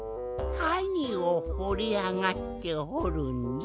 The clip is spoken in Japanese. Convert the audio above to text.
はにをほりあがってほるんじゃ？